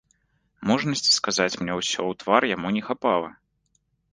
Мужнасці сказаць мне ўсё ў твар яму не хапала.